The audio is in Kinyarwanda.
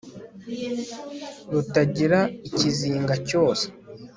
rutagira ikizingacyose